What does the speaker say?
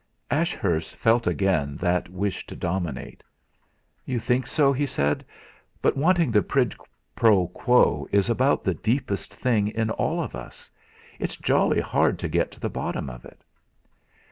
Ashurst felt again that wish to dominate. "You think so," he said; "but wanting the 'quid pro quo' is about the deepest thing in all of us! It's jolly hard to get to the bottom of it!"